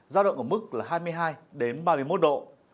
giao động ở mức hai mươi hai ba mươi một độ